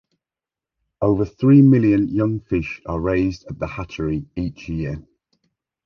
Over three million young fish are raised at the hatchery each year.